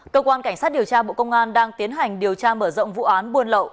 cơ quan cảnh sát điều tra bộ công an đang tiến hành điều tra mở rộng vụ án buôn lậu